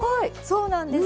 そうなんです。